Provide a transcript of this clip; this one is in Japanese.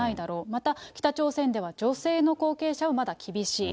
また、北朝鮮では女性の後継者はまだ厳しい。